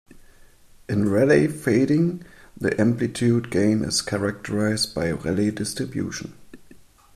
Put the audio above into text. In Rayleigh fading, the amplitude gain is characterized by a Rayleigh distribution.